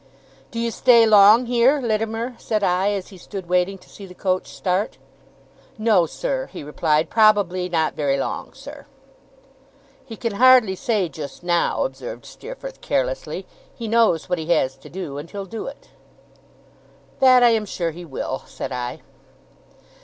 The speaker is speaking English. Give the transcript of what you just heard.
'Do you stay long here, Littimer?' said I, as he stood waiting to see the coach start. 'No, sir,' he replied; 'probably not very long, sir.' 'He can hardly say, just now,' observed Steerforth, carelessly. 'He knows what he has to do, and he'll do it.' 'That I am sure he will,' said I.